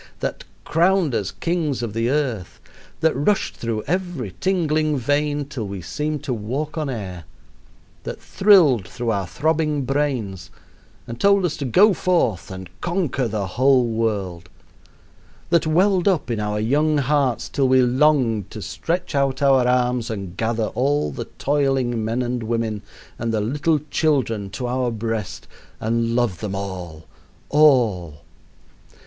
that crowned us kings of the earth; that rushed through every tingling vein till we seemed to walk on air; that thrilled through our throbbing brains and told us to go forth and conquer the whole world; that welled up in our young hearts till we longed to stretch out our arms and gather all the toiling men and women and the little children to our breast and love them all all.